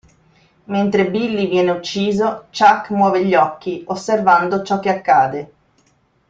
Mentre Billy viene ucciso "Chuck" muove gli occhi, osservando ciò che accade.